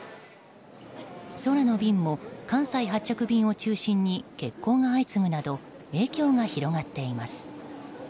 空の便も関西発着便を中心に欠航が相次ぐなど影響が広がっています。